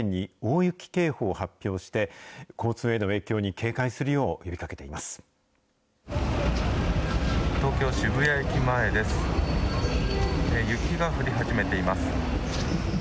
雪が降り始めています。